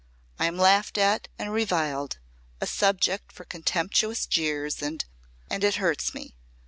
I'm laughed at and reviled, a subject for contemptuous jeers, and and it hurts me.